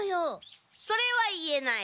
それは言えない。